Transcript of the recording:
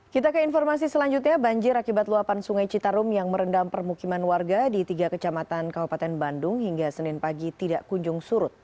kita ke informasi selanjutnya banjir akibat luapan sungai citarum yang merendam permukiman warga di tiga kecamatan kabupaten bandung hingga senin pagi tidak kunjung surut